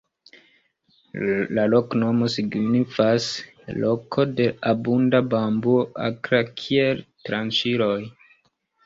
La loknomo signifas: "loko de abunda bambuo akra kiel tranĉiloj".